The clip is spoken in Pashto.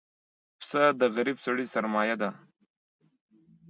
پسه د غریب سړي سرمایه ده.